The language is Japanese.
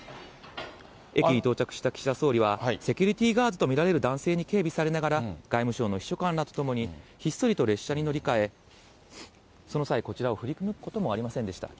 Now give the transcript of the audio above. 駅に到着した岸田総理は、セキュリティーガードと見られる男性に警備されながら、外務省の秘書官らと共に、ひっそりと列車に乗り換え、その際、こちらを振り向くこともありませんでした。